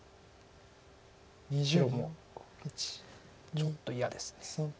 白もちょっと嫌です。